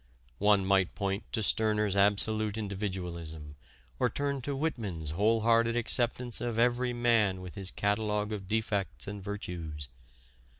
One might point to Stirner's absolute individualism or turn to Whitman's wholehearted acceptance of every man with his catalogue of defects and virtues.